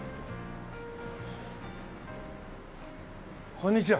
こんにちは。